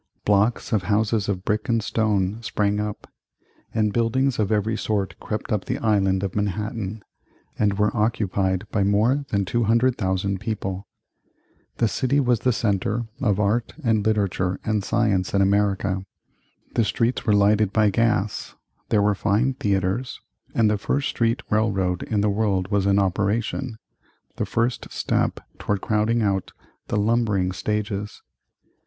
Blocks of houses of brick and stone sprang up, and buildings of every sort crept up the Island of Manhattan and were occupied by more than 200,000 people. The city was the centre of art and literature and science in America. The streets were lighted by gas; there were fine theatres; and the first street railroad in the world was in operation the first step toward crowding out the lumbering stages.